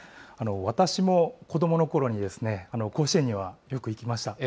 私も子どものころに、甲子園にはよく行きました。